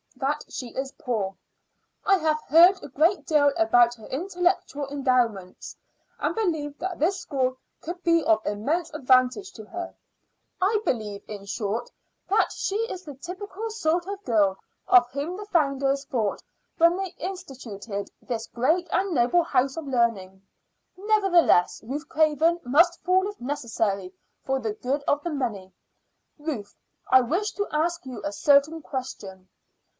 that she is poor. I have heard a great deal about her intellectual endowments, and believe that this school could be of immense advantage to her. I believe, in short, that she is the typical sort of girl of whom the founders thought when they instituted this great and noble house of learning. Nevertheless, Ruth Craven must fall if necessary for the good of the many. Ruth, I wish to ask you a certain question.